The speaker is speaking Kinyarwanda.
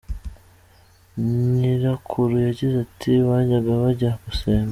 Nyirakuru yagize ati “Bajyaga bajya gusenga.